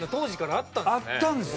あったんですよ。